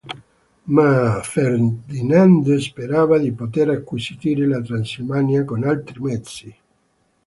Ma Ferdinando sperava di poter acquisire la Transilvania con altri mezzi.